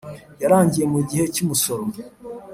yarangiye mu gihe cy umusoro